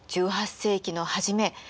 １８世紀の初め